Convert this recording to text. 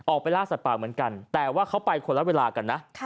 ล่าสัตว์ป่าเหมือนกันแต่ว่าเขาไปคนละเวลากันนะ